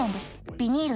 ビニール